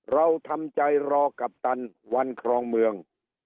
เราทำใจรอกัปตันวันครองเมือง